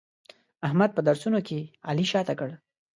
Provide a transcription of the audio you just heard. احمد په درسونو کې علي شاته کړ.